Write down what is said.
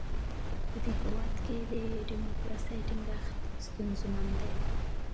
په دې هېواد کې د ډیموکراسۍ ټینګښت ستونزمن دی.